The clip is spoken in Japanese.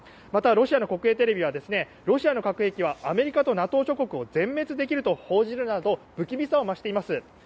また、ロシアの国営テレビはロシアの核兵器はアメリカとＮＡＴＯ諸国を全滅できると報じるなど不気味さを増しています。